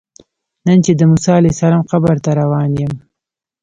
نن چې د موسی علیه السلام قبر ته روان یم.